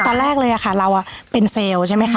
ตอนแรกเลยค่ะเราเป็นเซลล์ใช่ไหมคะ